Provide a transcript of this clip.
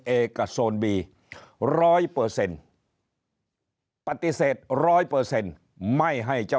เอกับโซนบีร้อยเปอร์เซ็นต์ปฏิเสธร้อยเปอร์เซ็นต์ไม่ให้เจ้า